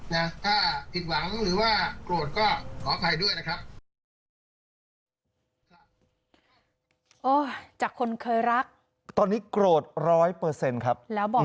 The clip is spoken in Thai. นะถ้าผิดหวังหรือว่าโกรธก็ขออภัยด้วยนะครับ